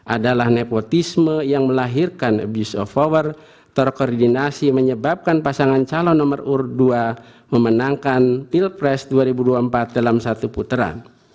adalah nepotisme yang melahirkan abuse of power terkoordinasi menyebabkan pasangan calon nomor urut dua memenangkan pilpres dua ribu dua puluh empat dalam satu putera